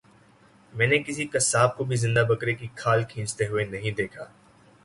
میں نے کسی قصاب کو بھی زندہ بکرے کی کھال کھینچتے ہوئے نہیں دیکھا